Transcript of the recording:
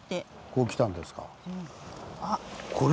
こう来たんですか。